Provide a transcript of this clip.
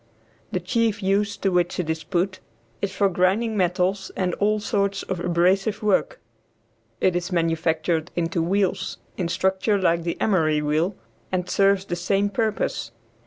The chief use to which it is put is for grinding metals and all sorts of abrasive work. It is manufactured into wheels, in structure like the emery wheel, and serves the same purpose.